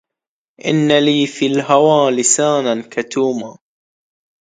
إن لي في الهوى لسانا كتوما